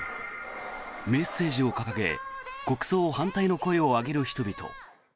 メッセージを掲げ国葬反対の声を上げる人々。